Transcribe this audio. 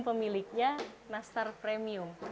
pemiliknya nastar premium